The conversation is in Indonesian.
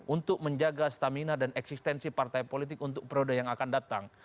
untuk menjaga stamina dan eksistensi partai politik untuk periode yang akan datang